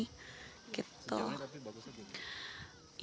sejauh ini tapi bagus aja gitu